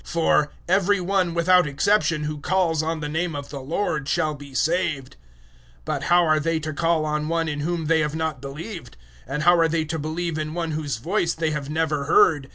010:013 For "every one, without exception, who calls on the name of the Lord shall be saved." 010:014 But how are they to call on One in whom they have not believed? And how are they to believe in One whose voice they have never heard?